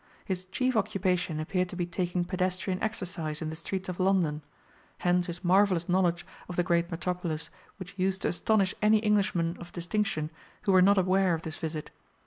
His chief occupation appeared to be taking pedestrian exercise in the streets of London hence his marvellous knowledge of the great metropolis which used to astonish any Englishmen of distinction who were not aware of this visit.